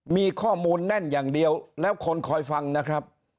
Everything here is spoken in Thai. มีข้อมูลแน่นอย่างเดียวแล้วคนคอยฟังนะครับ